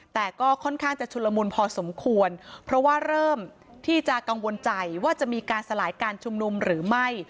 แต่ก็ค่อนข้างจะชุลมุนพอสมควรเพราะว่าเริ่มที่จะกังวลใจว่าจะมีการสลายการชุมนุมหรือไม่